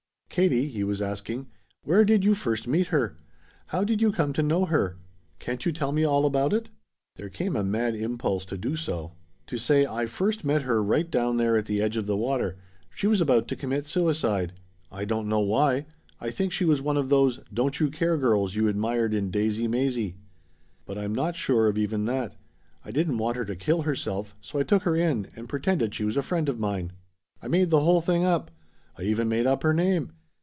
"Katie," he was asking, "where did you first meet her? How did you come to know her? Can't you tell me all about it?" There came a mad impulse to do so. To say: "I first met her right down there at the edge of the water. She was about to commit suicide. I don't know why. I think she was one of those 'Don't You Care' girls you admired in 'Daisey Maisey.' But I'm not sure of even that. I didn't want her to kill herself, so I took her in and pretended she was a friend of mine. I made the whole thing up. I even made up her name.